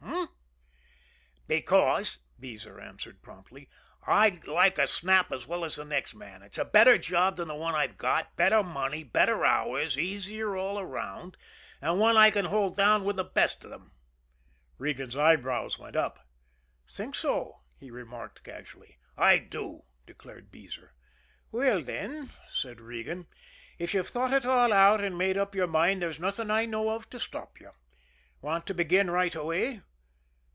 H'm?" "Because," Beezer answered promptly, "I like a snap as well as the next man. It's a better job than the one I've got, better money, better hours, easier all around, and one I can hold down with the best of them." Regan's eyebrows went up. "Think so?" he remarked casually. "I do," declared Beezer. "Well, then," said Regan, "if you've thought it all out and made up your mind, there's nothing I know of to stop you. Want to begin right away?"